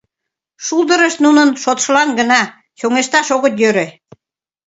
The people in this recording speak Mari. Шулдырышт нунын шотшылан гына, чоҥешташ огыт йӧрӧ.